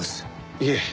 いえ。